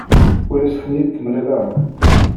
Ur as-ten-id-temliḍ ara.